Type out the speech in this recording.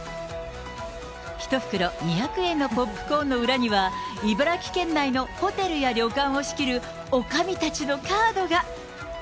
１袋２００円のポップコーンの裏には、茨城県内のホテルや旅館を仕切るおかみたちのカードが。